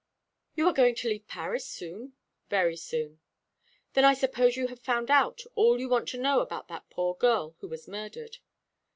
"You are going to leave Paris soon?" "Very soon." "Then I suppose you have found out all you want to know about that poor girl who was murdered?"